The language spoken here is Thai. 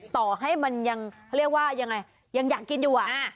ต่อให้มันยังเขาเรียกว่ายังไงยังอยากกินอยู่